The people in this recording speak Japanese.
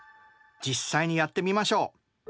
実際にやってみましょう。